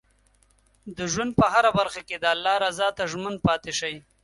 د ژوند په هره برخه کې د الله رضا ته ژمن پاتې شئ.